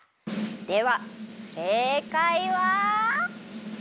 ではせいかいは。